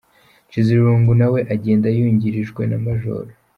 Nshizirungu, nawe agenda yungirijwe na Maj.